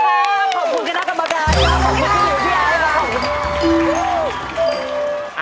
ขอบคุณกับนักกรรมการค่ะขอบคุณกับพี่อายุค่ะ